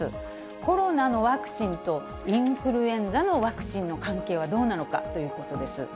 コロナのワクチンとインフルエンザのワクチンの関係はどうなのかということです。